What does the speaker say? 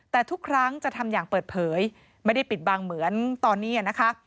แต่ทุกครั้งจะทำอย่างเปิดเผยไม่ได้ปิดบังเหมือนตอนนี้นะคะ